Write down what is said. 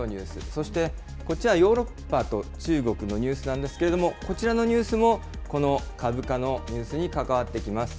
そして、こっちはヨーロッパと中国のニュースなんですけれども、こちらのニュースも、この株価のニュースに関わってきます。